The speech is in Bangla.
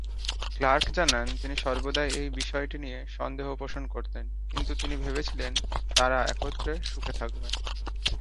ক্লার্ক জানান তিনি সর্বদাই এই বিষয়টি নিয়ে সন্দেহ পোষণ করতেন কিন্তু তিনি ভেবেছিলেন তারা একত্রে সুখে থাকবেন।